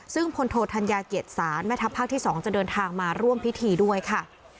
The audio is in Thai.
ซึ่งพลโทธัญญาเกียรติศาลแม่ทัพภาคที่๒จะเดินทางมาร่วมพิธีด้วยค่ะ